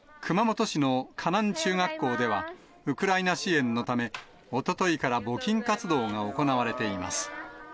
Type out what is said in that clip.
熊本市の鹿南中学校では、ウクライナ支援のため、おとといから募金活動が行われています。